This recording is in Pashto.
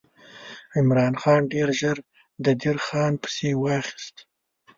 عمرا خان ډېر ژر د دیر خان پسې واخیست.